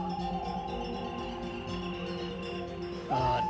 tidak ada yang bisa dikira